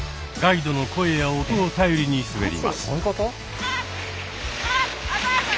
ガイドの声や音を頼りに滑ります。